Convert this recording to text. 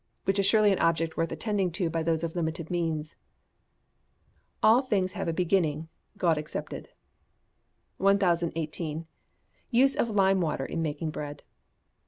which is surely an object worth attending to by those of limited means. [ALL THINGS HAVE A BEGINNING, GOD EXCEPTED.] 1018. Use of Lime Water in making Bread.